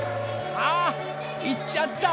あっ行っちゃった！